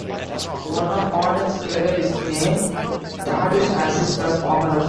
One of Harden's brothers is named Thaddeus, as is her former husband.